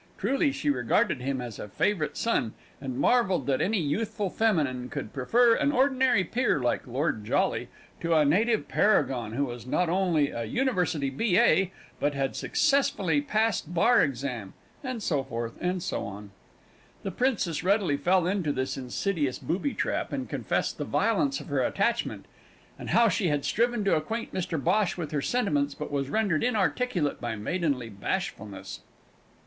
Truly, she regarded him as a favourite son, and marvelled that any youthful feminine could prefer an ordinary peer like Lord Jolly to a Native paragon who was not only a university B.A., but had successfully passed Bar Exam!" and so forth and so on. The princess readily fell into this insidious booby trap, and confessed the violence of her attachment, and how she had striven to acquaint Mr Bhosh with her sentiments but was rendered inarticulate by maidenly bashfulness.